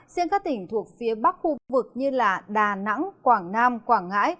riêng các tỉnh thuộc phía bắc khu vực như đà nẵng quảng nam quảng ngãi